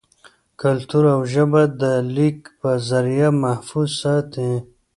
کلتور او ژبه دَليک پۀ زريعه محفوظ ساتي